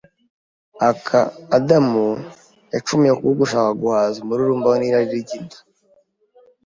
ak Adamu yacumuye kubwo gushaka guhaza umururumba w’irari ry’inda